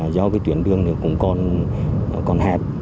do cái tuyến đường nó cũng còn hẹp